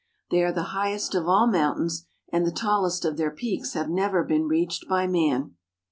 They are the highest of all mountains, and the tallest of their peaks have never been reached by man.